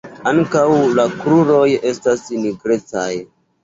Ankaŭ la kruroj estas nigrecaj.